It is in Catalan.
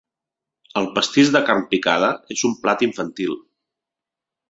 El pastís de carn picada és un plat infantil.